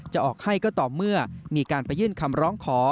จะออกให้ก็ต่อเมื่อมีการไปยื่นคำร้องขอ